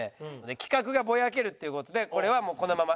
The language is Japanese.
企画がぼやけるっていう事でこれはもうこのまま。